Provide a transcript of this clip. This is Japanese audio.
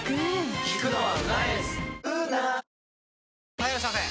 ・はいいらっしゃいませ！